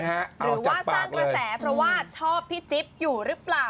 หรือว่าสร้างกระแสเพราะว่าชอบพี่จิ๊บอยู่หรือเปล่า